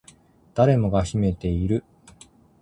誰もが秘めている